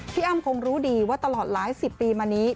พี่อ้ำคงรู้ดีว่าตลอดหลายสิบปีมานี้